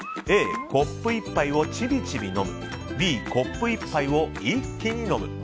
Ａ、コップ１杯をちびちび飲むＢ、コップ１杯を一気に飲む。